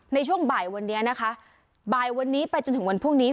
ในช่วงบ่ายวันนี้นะคะบ่ายวันนี้ไปจนถึงวันพรุ่งนี้